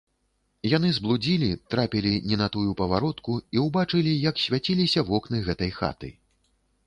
Яны зблудзілі, трапілі не на тую паваротку і ўбачылі, як свяціліся вокны гэтай хаты.